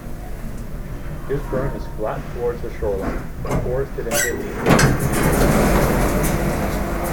Gisborne is flat towards the shoreline, but forested and hilly inland.